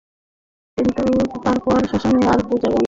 কিন্তু তারপর শ্মশানে আর পূজা বন্ধ করা হয়নি।